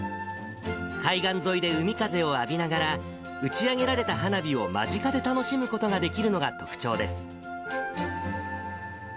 海岸沿いで海風を浴びながら、打ち上げられた花火を間近で楽しむことができるのが特徴です。